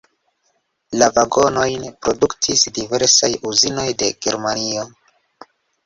La vagonojn produktis diversaj uzinoj de Germanio.